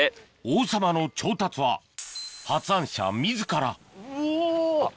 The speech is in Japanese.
王様の調達は発案者自らおぉ！